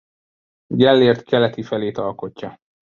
Gellért keleti felét alkotja.